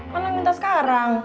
mana minta sekarang